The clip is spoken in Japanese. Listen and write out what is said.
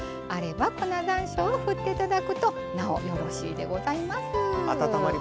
あれば、粉ざんしょうを振っていただくとなおよろしいでございます。